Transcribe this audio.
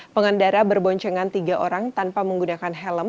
pengendara berboncengan tiga orang tanpa menggunakan helm